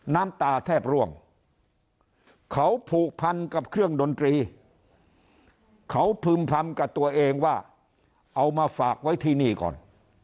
น้ำตาแทบร่วงเขาผูกพันกับเครื่องดนตรีเขาพึ่มพำกับตัวเองว่าเอามาฝากไว้ที่นี่ก่อน